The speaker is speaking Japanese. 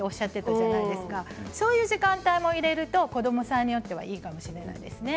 そういう時間帯も入れると子どもさんによってはいいかもしれませんですね。